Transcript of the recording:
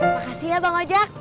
makasih ya bang wajak